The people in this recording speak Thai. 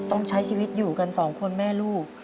ต้องใช้ชีวิตอยู่กันสองคนแม่ลูก